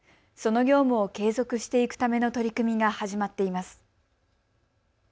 その業務を継続していくための取り組みが始まっています。